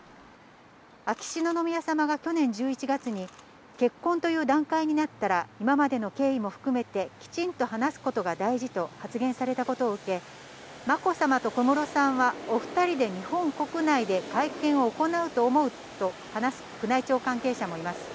秋篠宮さまが去年１１月に、結婚という段階になったら、今までの経緯も含めて、きちんと話すことが大事と発言されたことを受け、まこさまと小室さんは、お２人で日本国内で会見を行うと思うと話す宮内庁関係者もいます。